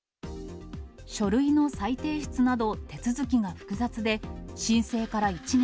書類の再提出など手続きが複雑で、申請から１年、